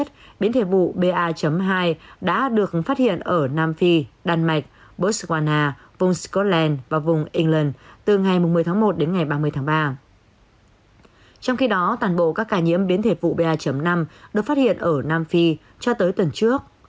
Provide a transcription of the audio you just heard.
trước đó tàn bộ các ca nhiễm biến thể phụ ba năm được phát hiện ở nam phi cho tới tuần trước